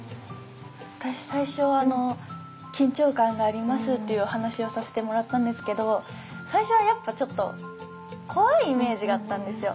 私最初は緊張感がありますっていうお話をさせてもらったんですけど最初はやっぱちょっと怖いイメージがあったんですよ。